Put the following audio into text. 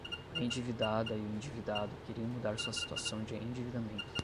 A endividada e o endividado queriam mudar sua situação de endividamento